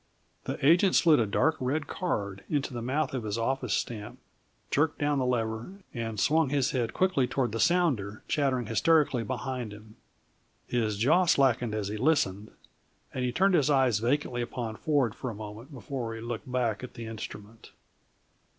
The agent slid a dark red card into the mouth of his office stamp, jerked down the lever, and swung his head quickly toward the sounder chattering hysterically behind him. His jaw slackened as he listened, and he turned his eyes vacantly upon Ford for a moment before he looked back at the instrument.